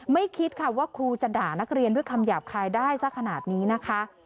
คิดค่ะว่าครูจะด่านักเรียนด้วยคำหยาบคายได้สักขนาดนี้นะคะ